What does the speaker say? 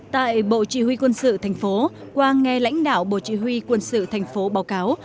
tại bộ chỉ huy quân sự thành phố qua nghe lãnh đạo bộ chỉ huy quân sự thành phố báo cáo